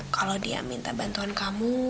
kalau dia minta bantuan kamu